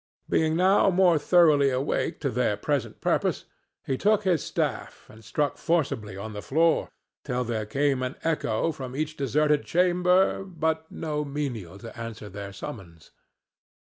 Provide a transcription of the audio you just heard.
Being now more thoroughly awake to their present purpose, he took his staff and struck forcibly on the floor, till there came an echo from each deserted chamber, but no menial to answer their summons.